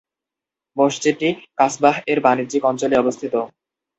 মসজিদটি কাসবাহ-এর বাণিজ্যিক অঞ্চলে অবস্থিত।